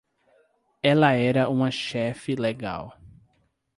Ela era uma chefe legal.